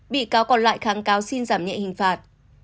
bị cáo còn lại kháng cáo xin giảm nhẹ hình phạt